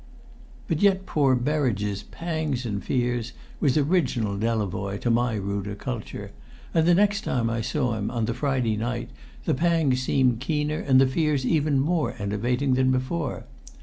But as yet poor Berridge's "pangs and fears" was original Delavoye to my ruder culture; and the next time I saw him, on the Friday night, the pangs seemed keener and the fears even more enervating than before.